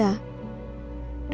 layaknya mengayuh sepeda